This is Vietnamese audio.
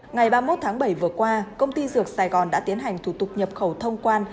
ngày ba mươi một tháng bảy vừa qua công ty dược sài gòn đã tiến hành thủ tục nhập khẩu thông quan